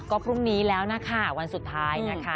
ก็พรุ่งนี้แล้วนะคะวันสุดท้ายนะคะ